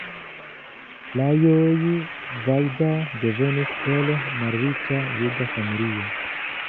Lajos Vajda devenis el malriĉa juda familio.